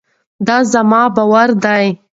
دا زما باور دی.